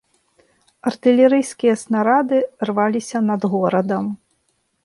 Артылерыйскія снарады рваліся над горадам.